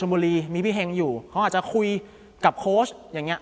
บุรีมีพี่เฮงอยู่เขาอาจจะคุยกับโค้ชอย่างเงี้